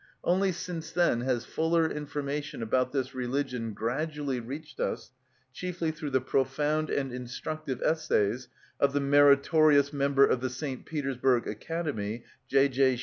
Only since then has fuller information about this religion gradually reached us, chiefly through the profound and instructive essays of the meritorious member of the St. Petersburg Academy, J. J.